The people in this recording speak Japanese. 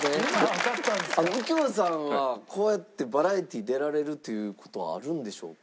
右京さんはこうやってバラエティに出られるという事はあるんでしょうか？